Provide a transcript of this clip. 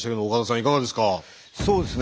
いかがですか？